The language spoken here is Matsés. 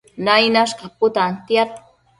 Nainash caputantiad